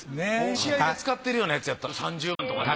試合で使ってるようなやつやったら３０万とか。